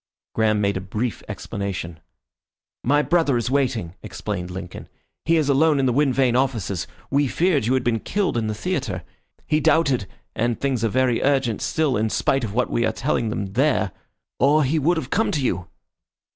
Graham made a brief explanation. "My brother is waiting," explained Lincoln. "He is alone in the wind vane offices. We feared you had been killed in the theatre. He doubted and things are very urgent still in spite of what we are telling them there or he would have come to you."